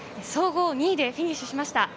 総合２位でフィニッシュしました。